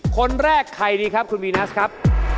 คนแรกใครดีครับคุณวีนัสครับ